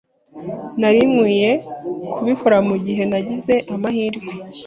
Nari nkwiye kubikora mugihe nagize amahirwe.